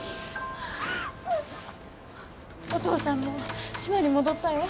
お父さんも島に戻ったよ。